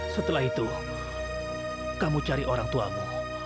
setelah itu kamu cari orang tuamu